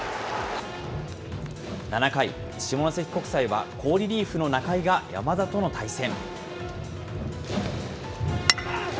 ７回、下関国際は好リリーフの仲井が、山田との対戦。